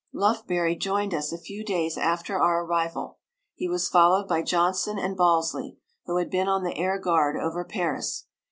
Lufbery joined us a few days after our arrival. He was followed by Johnson and Balsley, who had been on the air guard over Paris.